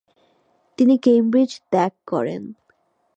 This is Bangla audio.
তিনি ক্যামব্রিজ ত্যাগ করেন।